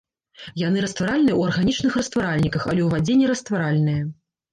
Яны растваральныя ў арганічных растваральніках, але ў вадзе нерастваральныя.